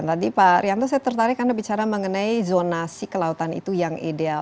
tadi pak rianto saya tertarik anda bicara mengenai zonasi kelautan itu yang ideal